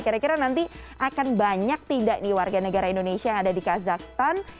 kira kira nanti akan banyak tidak nih warga negara indonesia yang ada di kazakhstan